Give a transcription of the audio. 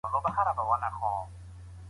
په افغانستان کي سیاسي بدلونونه ډېر ژر راځي.